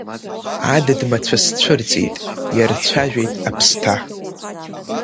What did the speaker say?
Адыд-мацәыс цәырҵит, иарцәажәеит аԥсҭа.